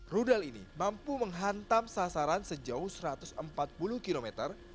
rudal ini mampu menghantam sasaran sejauh satu ratus empat puluh kilometer